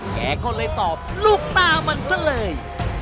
แกก็เลยตอบลูกตามันซะเลย